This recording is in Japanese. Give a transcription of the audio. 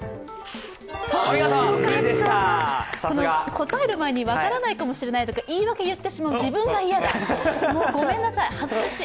答える前に分からないかもしれないとか言い訳を言ってしまう自分が嫌だ、ごめんなさい、恥ずかしい。